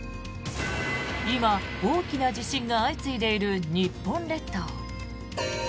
今、大きな地震が相次いでいる日本列島。